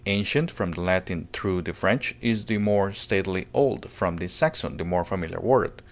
Ancient, from the Latin, through the French, is the more stately, old, from the Saxon, the more familiar word.